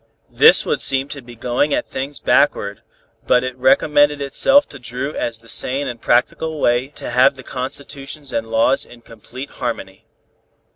This would seem to be going at things backward, but it recommended itself to Dru as the sane and practical way to have the constitutions and laws in complete harmony.